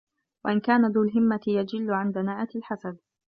وَإِنْ كَانَ ذُو الْهِمَّةِ يَجِلُّ عَنْ دَنَاءَةِ الْحَسَدِ